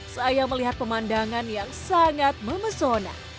saya melihat pemandangan yang sangat memesona